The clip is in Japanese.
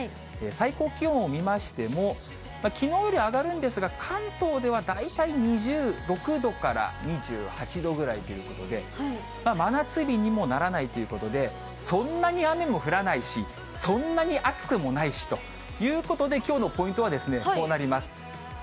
最高気温を見ましても、きのうより上がるんですが、関東では大体２６度から２８度ぐらいということで、真夏日にもならないということで、そんなに雨も降らないし、そんなに暑くもないしということで、きょうのポイントはこうなります。